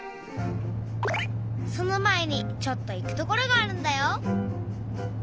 その前にちょっと行くところがあるんだよ。